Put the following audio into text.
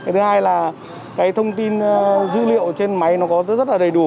thứ hai là cái thông tin dữ liệu trên máy nó có rất là đầy đủ